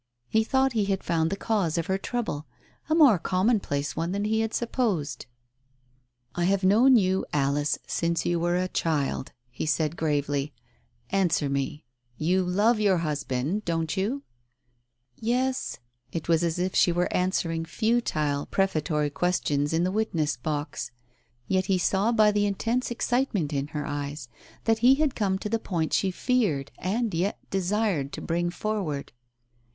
He thought he had found the cause of her trouble — a more commonplace one than he had supposed. Digitized by Google THE PRAYER 119 "I have known you, Alice, since you were a child," he said gravely. "Answer me! You love your hus band, don't you?" "Yes." It was as if she were answering futile prefa tory questions in the witness box. Yet he saw by the intense excitement in her eyes that he had come to the point she feared, and yet desired to bring forward.